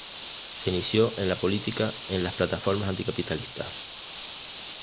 Se inició en la política en las Plataformas Anticapitalistas.